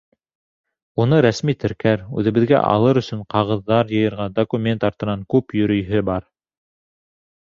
Уны рәсми теркәр, үҙебеҙгә алыр өсөн ҡағыҙҙар йыйырға, документ артынан күп йөрөйһө бар.